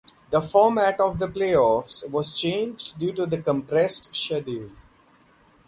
The format of the playoffs was changed due to the compressed schedule.